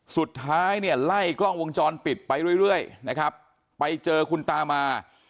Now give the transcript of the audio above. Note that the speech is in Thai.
สุดท้ายเนี่ยไล่กล้องวงจรปิดไปเรื่อยนะครับไปเจอคุณตามา